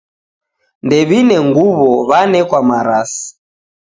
Ndew'ine nguw'o, w'anekwa marasi.